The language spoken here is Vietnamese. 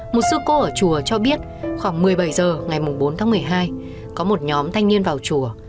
một sư cô ở chùa cho biết khoảng một mươi bảy h ngày bốn tháng một mươi hai có một nhóm thanh niên vào chùa